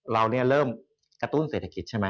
เราเนี่ยเริ่มกระตุ้นเศรษฐกิจใช่ไหม